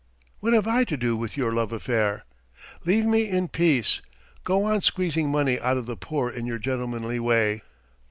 What have I to do with your love affairs? Leave me in peace! Go on squeezing money out of the poor in your gentlemanly way.